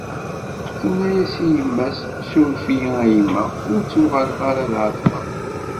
Tenna-as i yemma-s: « Suref-iyi a yemma, ur ttuɣaleɣ ara ad ɛeṭṭleɣ. »